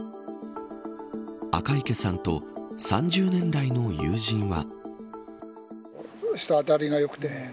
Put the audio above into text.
赤池さんと３０年来の友人は。